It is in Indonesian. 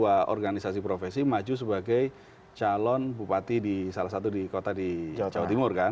sebuah organisasi profesi maju sebagai calon bupati di salah satu di kota di jawa timur kan